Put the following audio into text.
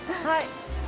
はい。